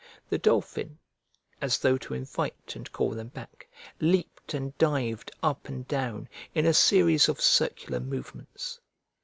The dolphin, as though to invite and call them back, leaped and dived up and down, in a series of circular movements.